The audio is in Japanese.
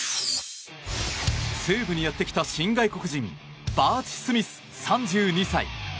西武にやってきた新外国人バーチ・スミス、３２歳。